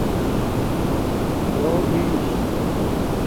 چُور بِیش